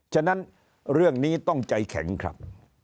ฉะนั้นเรื่องนี้ต้องใจแข็งครับ